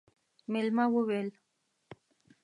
مېلمه وويل: